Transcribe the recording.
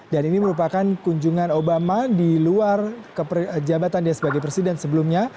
ini merupakan kunjungan obama di luar jabatan dia sebagai presiden sebelumnya